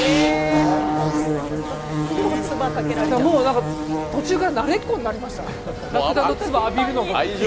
だからもう、途中から慣れっこになりました、ラクダのつばを浴びるのが。